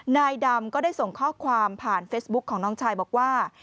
นายดำก็ได้ส่งข้อความผ่านเฟซบุ๊คของน้องชายบอกว่า